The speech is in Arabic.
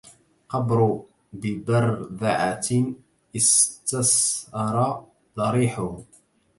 قبر ببرذعة استسر ضريحه